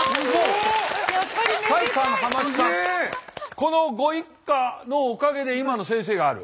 このご一家のおかげで今の先生がある。